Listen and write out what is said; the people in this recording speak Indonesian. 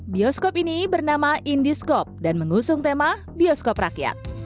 bioskop ini bernama indiscope dan mengusung tema bioskop rakyat